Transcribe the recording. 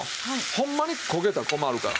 ホンマに焦げたら困るから。